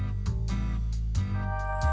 aku tau untuk banknya